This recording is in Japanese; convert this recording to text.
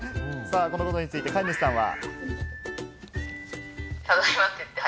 このことについて飼い主さんは。